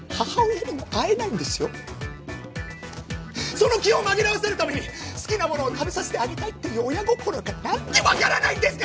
その気を紛らわせるために好きなものを食べさせてあげたいっていう親心がなんでわからないんですか！？